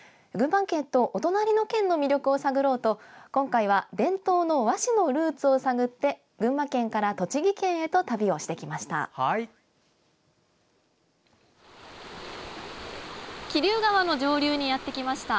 お隣の県の魅力を探ろうと今回は伝統の和紙のルーツを探って群馬県から栃木県へと旅をしてきました。